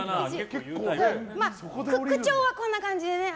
口調は、こんな感じでね。